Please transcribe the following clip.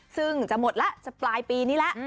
ซึ่งจะหมดแล้วจะปลายปีนี้แล้ว